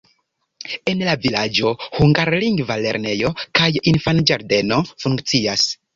En la vilaĝo hungarlingva lernejo kaj infanĝardeno funkcias.